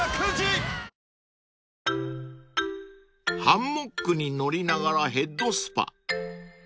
［ハンモックに乗りながらヘッドスパ］